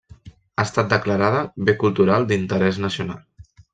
Ha estat declarada bé cultural d'interès nacional.